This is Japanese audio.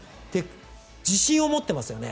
自信を持っていますよね。